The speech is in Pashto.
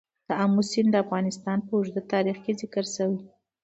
آمو سیند د افغانستان په اوږده تاریخ کې ذکر شوی دی.